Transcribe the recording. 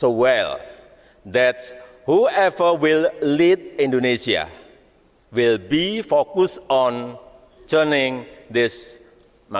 bahwa siapa pun yang akan memimpin indonesia akan fokus pada jurnalisme